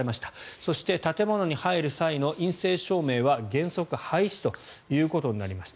そして、建物に入る際の陰性証明は原則廃止ということになりました。